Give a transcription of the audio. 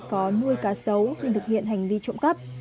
có nuôi cá sấu nên thực hiện hành vi trộm cắp